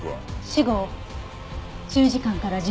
死後１０時間から１２時間。